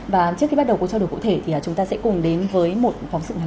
và trước khi bắt đầu cuộc trao đổi cụ thể thì chúng ta sẽ cùng đến với một phóng sự ngắn